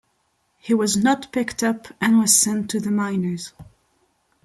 He was not picked up and was sent to the minors.